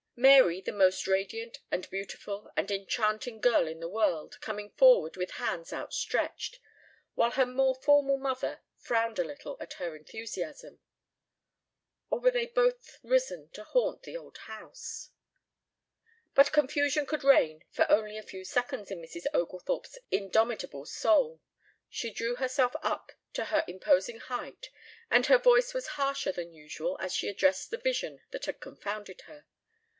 Mary, the most radiant and beautiful and enchanting girl in the world, coming forward with hands outstretched, while her more formal mother frowned a little at her enthusiasm ... or were they both risen to haunt the old house? But confusion could reign for only a few seconds in Mrs. Oglethorpe's indomitable soul. She drew herself up to her imposing height, and her voice was harsher than usual as she addressed the vision that had confounded her.